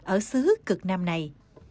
ở xứ cực năm này